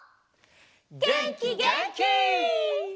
げんきげんき！